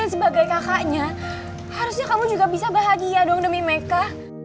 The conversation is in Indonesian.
dan sebagai kakaknya harusnya kamu juga bisa bahagia dong demi meka